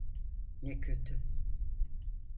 Ne kötü!